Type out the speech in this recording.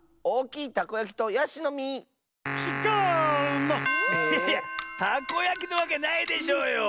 いやいやたこやきなわけないでしょうよ。